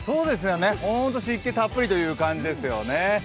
ホント湿気たっぷりという感じですよね。